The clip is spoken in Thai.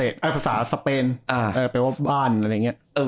แปลว่าบ้านอะไรอย่างเงี้ย